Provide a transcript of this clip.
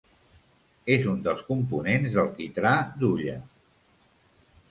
És un dels components del quitrà d’hulla.